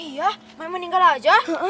iya main meninggal aja